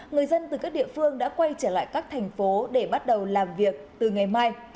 người dân từ các địa phương đã quay trở lại các thành phố để bắt đầu làm việc từ ngày mai